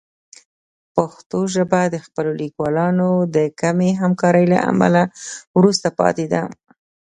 پښتو ژبه د خپلو لیکوالانو د کمې همکارۍ له امله وروسته پاتې ده.